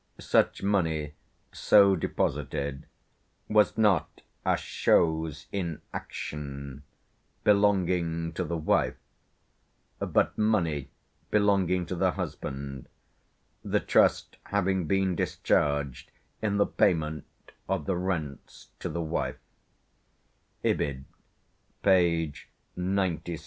Such money, so deposited, was not a chose in action belonging to the wife, but money belonging to the husband, the trust having been discharged in the payment of the rents to the wife" (Ibid, p. 9 7 ).